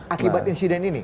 akibat insiden ini